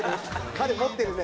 彼持ってるね。